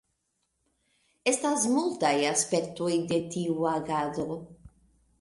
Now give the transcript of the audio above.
Estas multaj aspektoj de tiu agado.